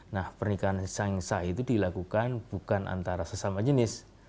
nah pernikahan sangsa itu dilakukan bukan antara sesama jenis